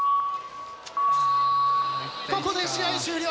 ここで試合終了。